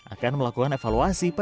akan melakukan evaluasi